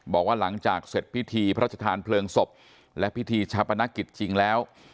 บอกว่าหลังจากเสร็จพิธีพระชธานเพลิงศพและพิธีชาปนกิจจริงแล้ว